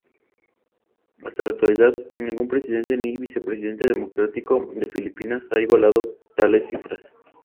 Hasta la actualidad, ningún presidente ni vicepresidente democrático de Filipinas ha igualado tales cifras.